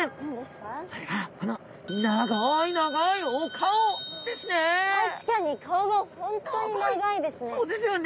それがこの確かに顔が本当に長いですね。